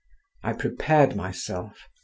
I prepared myself….